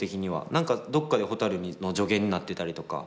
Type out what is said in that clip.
何かどっかでほたるの助言になってたりとか